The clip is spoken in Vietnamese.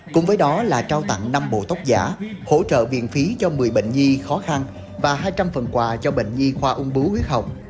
cùng với đó là trao tặng năm bộ tóc giả hỗ trợ viện phí cho một mươi bệnh nhi khó khăn và hai trăm linh phần quà cho bệnh nhi khoa ung bưu huyết học